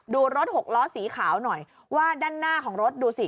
ดูรถหกล้อสีขาวหน่อยว่าด้านหน้าของรถดูสิ